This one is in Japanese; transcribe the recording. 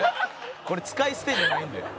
「これ使い捨てじゃないんで」